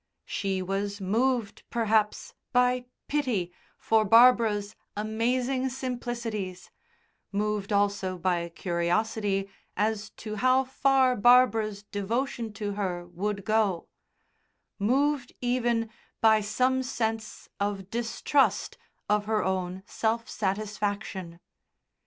She was moved, perhaps, by pity for Barbara's amazing simplicities, moved also by curiosity as to how far Barbara's devotion to her would go, moved even by some sense of distrust of her own self satisfaction.